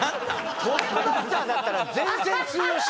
トップバッターだったら全然通用しない。